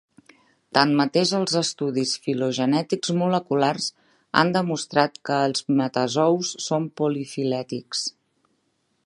Tanmateix els estudis filogenètics moleculars han demostrat que els metazous són polifilètics.